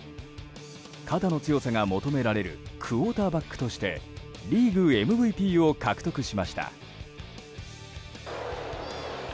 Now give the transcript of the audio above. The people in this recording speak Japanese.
肩の強さが求められるクオーターバックとしてリーグＭＶＰを獲得しました。